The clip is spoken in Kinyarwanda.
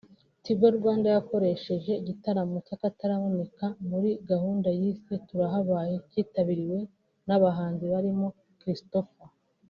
Tigo Rwanda yanakoresheje igitaramo cy’akataraboneka muri gahunda yise “Turahabaye” cyitabiriwe n’abahanzi barimo Christopher